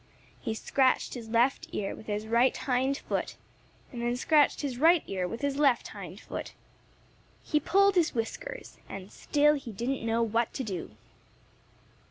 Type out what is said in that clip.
He scratched his left ear with his right hind foot and then scratched his right ear with his left hind foot. He pulled his whiskers, and still he didn't know what to do.